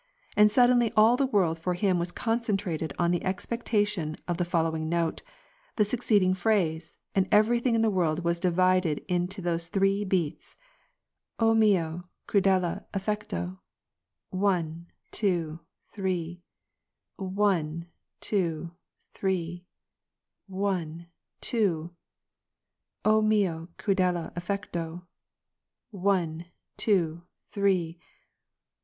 And sud denly all the world for him was concentrated on the expectar tion of the following note, the succeeding phrase, and every thing in the world was divided into those three beats :'^ OA, vUo erudele affetto "— one — two — three ; one — two — three — one — two !" oh, mio ertidele affetto "— one — two — three.